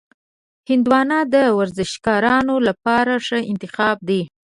هندوانه د ورزشکارانو لپاره ښه انتخاب دی.